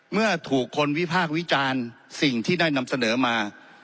เมื่อถูกคนวิพากษ์วิจารณ์สิ่งที่ได้นำเสนอมา